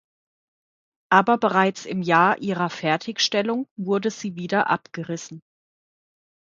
Aber bereits im Jahr ihrer Fertigstellung wurde sie wieder abgerissen.